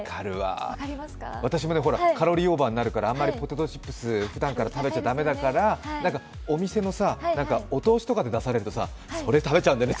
私もほら、カロリーオーバーになるから、あんまりポテトチップス、ふだんから食べちゃ駄目だからお店のお通しとかで出されると、それ食べちゃうんだよね。